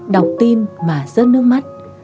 đọc tin mà rớt nước mắt